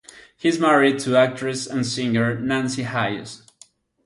He is married to actress and singer Nancye Hayes.